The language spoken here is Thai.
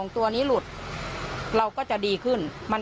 ตัวนี้หลุดเราก็จะดีขึ้น